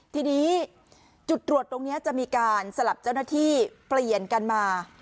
ทีนี้จุดตรวจตรงนี้จะมีการสลับเจ้าหน้าที่เปลี่ยนกันมา